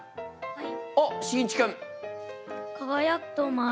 はい！